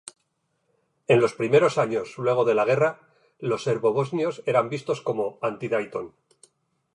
En los primeros años luego de la Guerra, los serbobosnios eran vistos como "anti-Dayton".